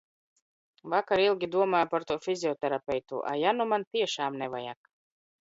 Vakar ilgi domāju par to fizioterapeitu. A, ja nu man tiešām nevajag?